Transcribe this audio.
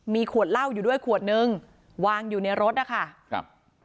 มีขวดเหล้าอยู่ด้วยขวดนึงวางอยู่ในรถนะคะครับ